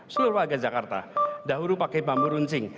seluruh warga jakarta dahulu pakai bambu runcing